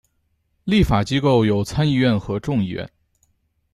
立法机构有参议院和众议院。